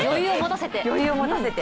余裕を持たせて。